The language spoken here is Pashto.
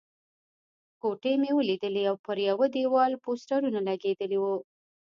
کوټې مې ولیدلې او پر یوه دېوال پوسټرونه لګېدلي وو.